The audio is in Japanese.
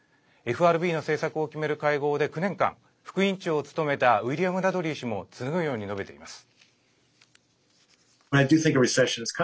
ＦＲＢの政策を決める会合で９年間、副委員長を務めたウィリアム・ダドリー氏も次のように述べています。